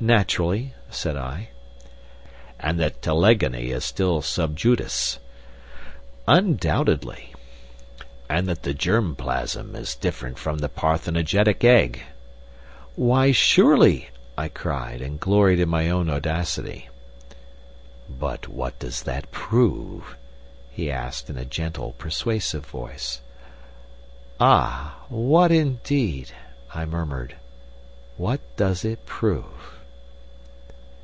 "Naturally," said I. "And that telegony is still sub judice?" "Undoubtedly." "And that the germ plasm is different from the parthenogenetic egg?" "Why, surely!" I cried, and gloried in my own audacity. "But what does that prove?" he asked, in a gentle, persuasive voice. "Ah, what indeed?" I murmured. "What does it prove?"